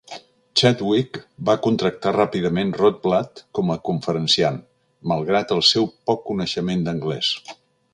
Chadwick va contractar ràpidament Rotblat com a conferenciant, malgrat el seu poc coneixement d'anglès.